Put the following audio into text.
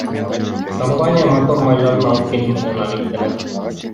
Компания мотор майларын алып келүү менен алектенет.